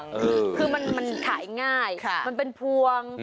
คือมันขายง่ายมันเป็นพวง